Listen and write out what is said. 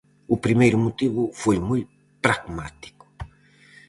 O primeiro motivo foi moi pragmático.